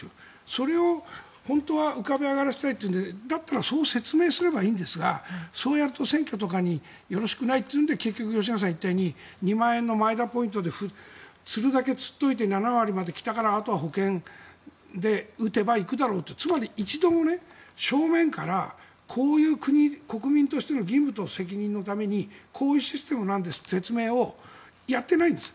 それを本当は浮かび上がらせたいってだったらそう説明すればいいんですがそうやると、選挙とかによろしくないというので結局、吉永さんが言ったように２万円のマイナポイントで釣るだけ釣って７割まで来たから、あとは保険で打てば行くだろうってつまり、一度も正面からこういう国民としての義務と責任のためにこういうシステムなんですという説明をやってないんです。